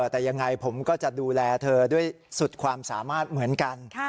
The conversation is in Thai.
แต่ยังไงผมก็จะดูแลเธอด้วยสุดความสามารถเหมือนกัน